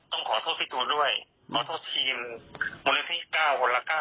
ต้องขอโทษพี่ตูนด้วยขอโทษทีมมูลนิธิ๙คนละ๙